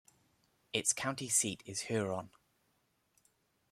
Its county seat is Huron.